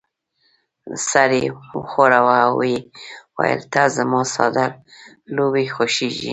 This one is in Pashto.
سر يې وښوراوه او وې ویل: نه، زما ساده لوبې خوښېږي.